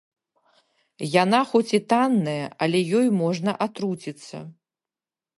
Яна хоць і танная, але ёй можна атруціцца.